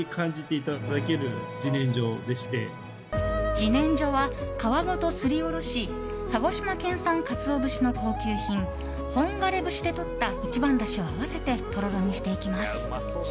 自然薯は皮ごとすりおろし鹿児島県産カツオ節の高級品本枯れ節でとった一番だしを合わせてとろろにしていきます。